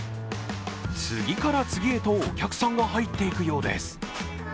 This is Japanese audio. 次から次へとお客さんが入っていくようです。